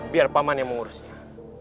biar pak man yang mengurusnya